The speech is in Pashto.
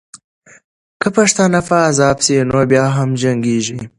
که پښتانه په عذاب سي، نو بیا هم جنګېږي.